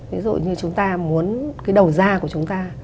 ví dụ như chúng ta muốn cái đầu ra của chúng ta